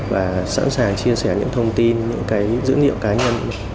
và sẵn sàng chia sẻ những thông tin những cái dữ liệu cá nhân